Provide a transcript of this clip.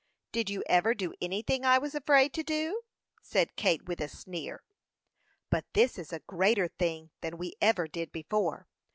"Did you ever do anything I was afraid to do?" said Kate, with a sneer. "But this is a greater thing than we ever did before.